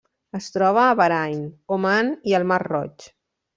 Es troba a Bahrain, Oman i el Mar Roig.